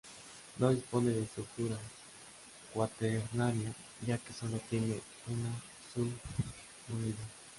No dispone de estructura cuaternaria ya que solo tiene una subunidad.